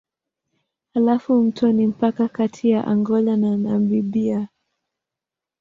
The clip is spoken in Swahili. Halafu mto ni mpaka kati ya Angola na Namibia.